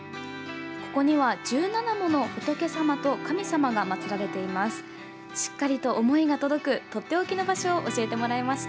ここには１７もの仏様と神様が祭られています。